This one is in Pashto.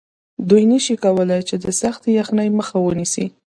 دوی نشي کولی چې د سختې یخنۍ مخه ونیسي